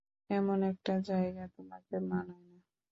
এমন একটা জায়গায় তোমাকে মানায় না।